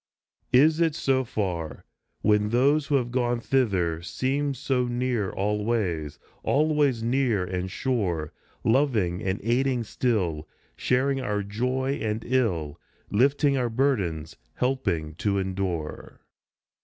Is it so far? When those who have gone thither Seem so near always, always near and sure, Loving and aiding still, sharing our joy and ill, Lifting our burdens, helping to endure.